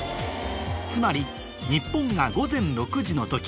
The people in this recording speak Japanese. つまり日本が午前６時の時